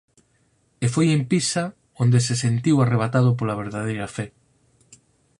E foi en Pisa onde se sentiu arrebatado pola verdadeira fe.